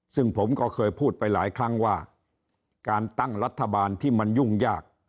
ซึ่งผมก็เคยพูดไปหลายครั้งว่าการตั้งรัฐบาลที่มันยุ่งยาก